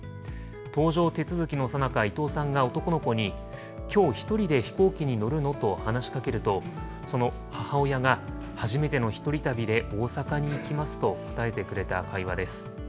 搭乗手続きのさなか、伊藤さんが男の子に、きょう、１人で飛行機で乗るの？と話しかけると、その母親が、初めての一人旅で大阪に行きますと答えてくれた会話です。